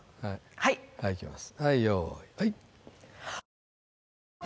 はいはいいきます